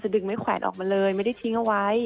ดึงไม้แขวนออกมาเลยไม่ได้ทิ้งเอาไว้